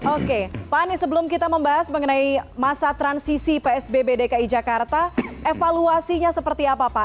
oke pak anies sebelum kita membahas mengenai masa transisi psbb dki jakarta evaluasinya seperti apa pak